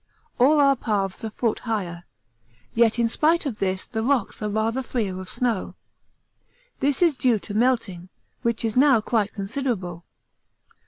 all our paths a foot higher; yet in spite of this the rocks are rather freer of snow. This is due to melting, which is now quite considerable.